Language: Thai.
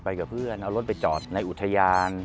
กับเพื่อนเอารถไปจอดในอุทยาน